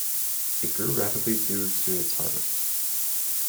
It grew rapidly due to its harbor.